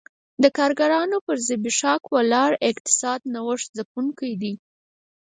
د کارګرانو پر زبېښاک ولاړ اقتصاد نوښت ځپونکی دی